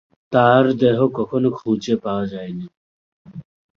তার দেহ কখনো খোঁজে পাওয়া যায়নি।